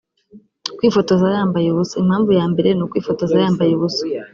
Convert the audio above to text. Kwifotoza yambaye ubusa Impamvu ya mbere ni ukwifotoza yambaye ubusa